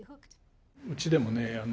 うちでもね